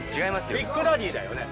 ビッグダディだよね。